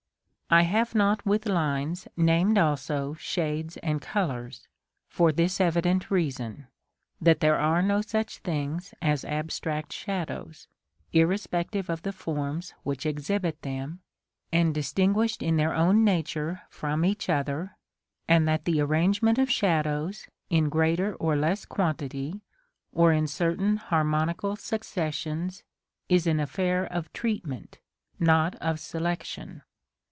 I have not with lines named also shades and colors, for this evident reason, that there are no such things as abstract shadows, irrespective of the forms which exhibit them, and distinguished in their own nature from each other; and that the arrangement of shadows, in greater or less quantity, or in certain harmonical successions, is an affair of treatment, not of selection.